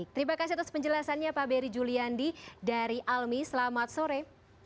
terima kasih atas penjelasannya pak beri juliandi dari almi selamat sore